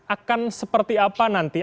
akan seperti apa nanti